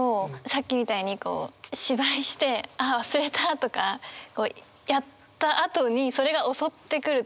さっきみたいに芝居して「あっ忘れた！」とかやったあとにそれが襲ってくるっていうか。